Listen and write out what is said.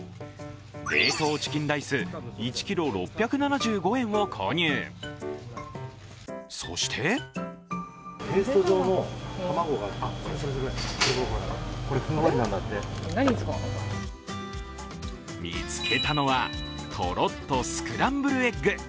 冷凍チキンライス、１ｋｇ６７５円を購入そして見つけたのは、とろっとスクランブルエッグ。